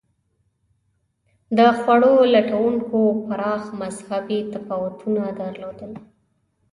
د خوړو لټونکو پراخ مذهبي تفاوتونه درلودل.